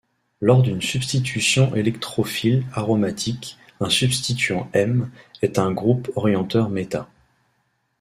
Lors d'une substitution électrophile aromatique, un substituant -M est un groupe orienteur méta.